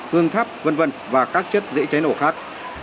hương thắp v v và các chất dễ cháy nổ khác